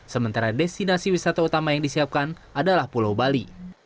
sementara destinasi wisata utama yang disiapkan adalah pulau bali